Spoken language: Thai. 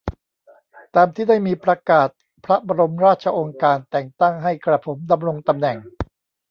ตามที่ได้มีประกาศพระบรมราชโองการแต่งตั้งให้กระผมดำรงตำแหน่ง